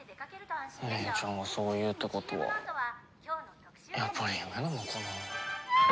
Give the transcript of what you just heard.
姉ちゃんがそう言うってことはやっぱり夢なのかな。